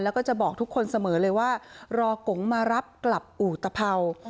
แล้วก็จะบอกทุกคนเสมอเลยว่ารอกงมารับกลับอุตภัวร์